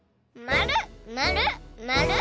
まる。